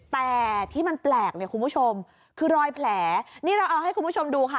แต่ที่มันแปลกเนี่ยคุณผู้ชมคือรอยแผลนี่เราเอาให้คุณผู้ชมดูค่ะ